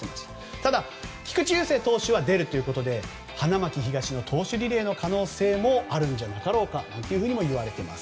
ただ、菊池雄星投手は出るということで花巻東の投手リレーの可能性もあるんじゃなかろうかなんていわれています。